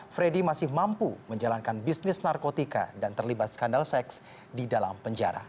freddy masih mampu menjalankan bisnis narkotika dan terlibat skandal seks di dalam penjara